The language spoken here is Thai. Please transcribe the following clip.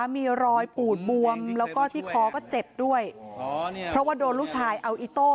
มีรอยปูดบวมแล้วก็ที่คอก็เจ็บด้วยเพราะว่าโดนลูกชายเอาอิโต้